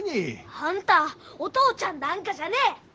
あんたぁお父ちゃんなんかじゃねえ。